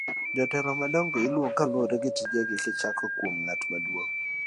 jotelo madongo iluongo kaluwore gi tije gi kichako kuom ng'at maduong'